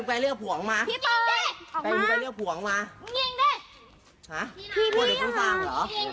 ไปเรียกผู้ออกมาใครรู้ไปเรียกผู้ออกมาฮะพูดให้พูดต่างหรอ